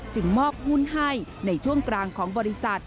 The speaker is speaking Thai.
มอบหุ้นให้ในช่วงกลางของบริษัท